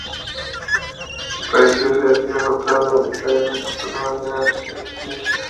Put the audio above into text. Él parecía ser de inagotable inventiva en una manera reticente y tranquila.